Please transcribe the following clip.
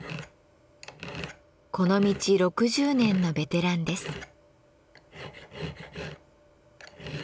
この道６０年のベテランです。